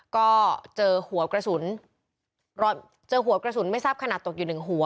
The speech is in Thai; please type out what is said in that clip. ก็เจอหัวกระสุนเจอหัวกระสุนไม่ทราบขนาดตกอยู่หนึ่งหัว